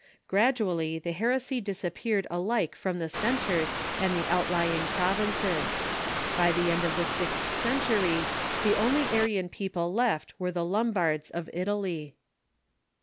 Gradually the heresy disappeared alike from the centres and the outlying provinces. By the end of the sixth century the onlj^ Arian people left were the Lombards, of Italy.